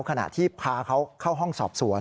ขณะที่พาเขาเข้าห้องสอบสวน